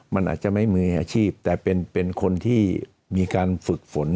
มันอาจจะไม่มืออาชีพแต่เป็นคนที่มีการฝึกฝน